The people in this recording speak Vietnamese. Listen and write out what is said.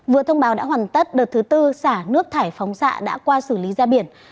vừa thông báo đã hoàn tất đợt thứ tư xả nước thải phóng xạ đã qua xử lý ra biển